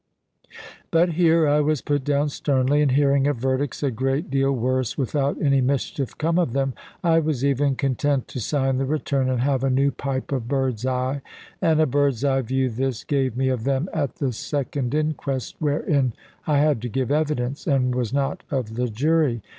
But here I was put down sternly; and hearing of verdicts a great deal worse, without any mischief come of them, I was even content to sign the return, and have a new pipe of bird's eye. And a bird's eye view this gave me of them at the second inquest wherein I had to give evidence; and was not of the jury.